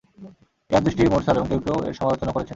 এ হাদীসটি মুরসাল এবং কেউ কেউ এর সমালোচনা করেছেন।